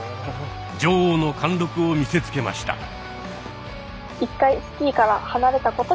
女王の貫禄を見せつけました。